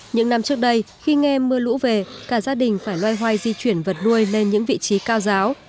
những năm trước đây khi nghe mưa lũ về cả gia đình phải loay hoay di chuyển vật nuôi lên những vị trí cao giáo